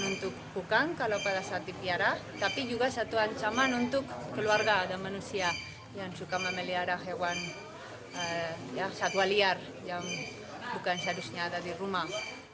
untuk kukang kalau pada saat dipiara tapi juga satu ancaman untuk keluarga dan manusia yang suka memelihara hewan satwa liar yang bukan seharusnya ada di rumah